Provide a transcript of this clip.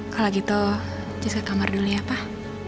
kalo gitu jis ke kamar dulu ya pak